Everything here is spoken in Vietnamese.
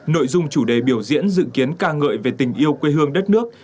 nội dung chủ đề biểu diễn dự kiến ca ngợi về tình yêu quê hương đất nước